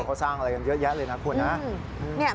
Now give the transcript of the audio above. เขาสร้างอะไรกันเยอะแยะเลยนะคุณนะ